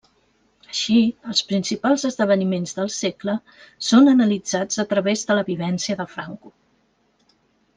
Així, els principals esdeveniments del segle són analitzats a través de la vivència de Franco.